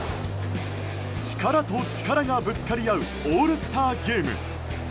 力と力がぶつかり合うオールスターゲーム。